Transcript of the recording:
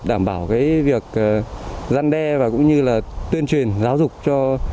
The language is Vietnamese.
đảm bảo việc gian đe và tuyên truyền giáo dục